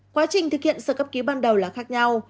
quá trình thực hiện sơ cấp cứu ban đầu là khác nhau